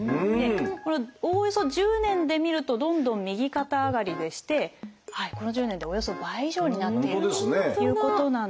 これおおよそ１０年で見るとどんどん右肩上がりでしてこの１０年でおよそ倍以上になっているということなんですよね。